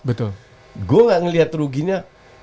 betul gue nggak ngelihat ruginya